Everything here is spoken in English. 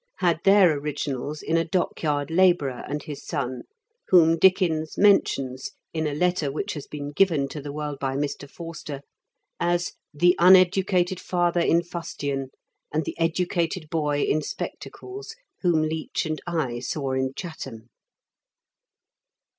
— had their originals in a dockyard labourer and his son whom Dickens mentions, in a letter which has been given to the world by Mr. Forster, as "the uneducated father in fustian and the educated boy in spectacles whom Leech and I saw in Chatham."